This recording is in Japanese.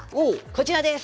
こちらです！